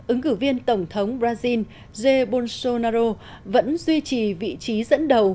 ứng cử viên tổng thống brazil jair bolsonaro vẫn duy trì vị trí dẫn đầu